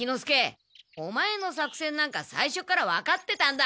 オマエの作戦なんかさいしょからわかってたんだ。